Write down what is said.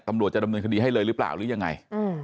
ตำรวจจะดำเนินคดีให้เลยหรือเปล่าหรือยังไง